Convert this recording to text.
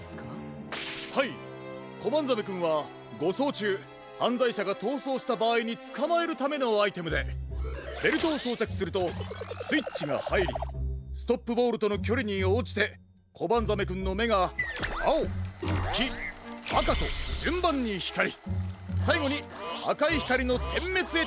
コバンザメくんはごそうちゅうはんざいしゃがとうそうしたばあいにつかまえるためのアイテムでベルトをそうちゃくするとスイッチがはいりストップボールとのきょりにおうじてコバンザメくんのめがあおきあかとじゅんばんにひかりさいごにあかいひかりのてんめつへとへんかしていくんです。